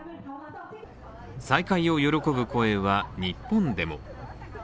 再開を喜ぶ声は日本でも。